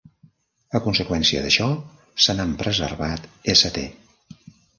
A conseqüència d'això, se n'han preservat st.